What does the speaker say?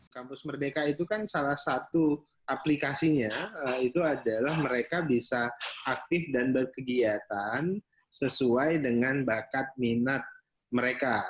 kampus merdeka itu kan salah satu aplikasinya itu adalah mereka bisa aktif dan berkegiatan sesuai dengan bakat minat mereka